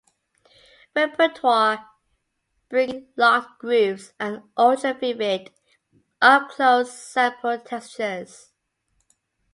Repertoire", bringing "locked grooves and ultra-vivid, up-close sample-textures".